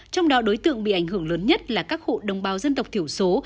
trong đó đối tượng bị ảnh hưởng lớn nhất là các hộ đồng bào dân tộc thiểu số